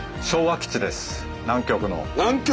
南極？